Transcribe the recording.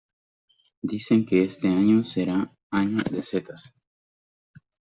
Dicen que este año será año de setas.